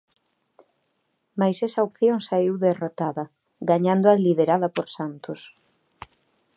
Mais esa opción saíu derrotada, gañando a liderada por Santos.